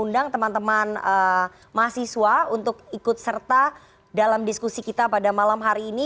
dan mahasiswa untuk ikut serta dalam diskusi kita pada malam hari ini